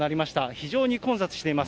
非常に混雑しています。